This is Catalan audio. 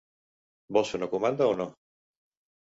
Vols fer una comanda o no?